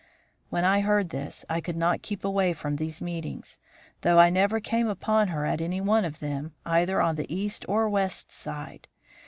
When I heard this, I could not keep away from these meetings, though I never came upon her at any one of them either on the East or West side.